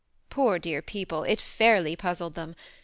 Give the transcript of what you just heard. Poor dear people, it fairly puzzled them.